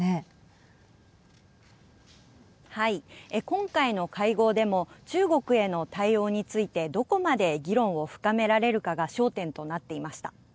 今回の会合でも中国への対応についてどこまで議論を深められるかが焦点となっていました。